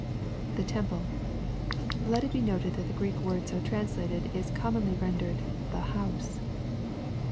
[The temple^ Let it be noted, that the Greek word so translated, is commonly rendered, " The house."